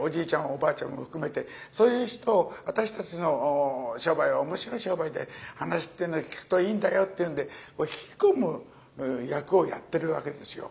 おばあちゃんも含めてそういう人を私たちの商売は面白い商売で噺っていうのを聴くといいんだよっていうんで引き込む役をやってるわけですよ。